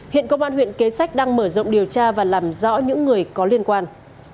hiện công an huyện kế sách đang mở rộng điều tra và làm rõ những người có liên quan